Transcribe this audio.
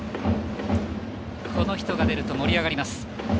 この人が出ると盛り上がります。